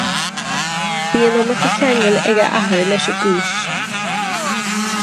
Bhí an iomarca ceangail ag a athair leis an gcúis.